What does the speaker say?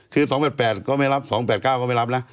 คือ๒๘๘ก็ไม่รับ๒๘๙ก็ไม่รับนะ